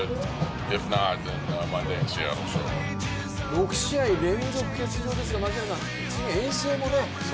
６試合連続欠場ですが、遠征もね。